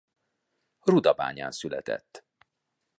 Rudabányán született.